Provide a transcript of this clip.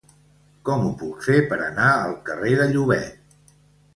Com ho puc fer per anar al carrer de Llobet?